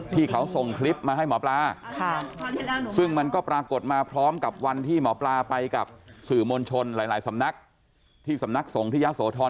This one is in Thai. ที่เขาส่งคลิปมาให้หมอปลาซึ่งมันก็ปรากฏมาพร้อมกับวันที่หมอปลาไปกับสื่อมวลชนหลายสำนักที่สำนักสงฆ์ที่ยะโสธร